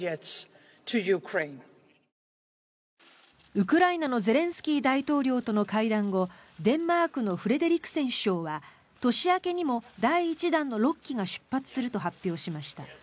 ウクライナのゼレンスキー大統領との会談後デンマークのフレデリクセン首相は年明けにも第１弾の６機が出発すると発表しました。